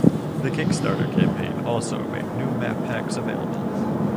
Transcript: The Kickstarter campaign also made new map packs available.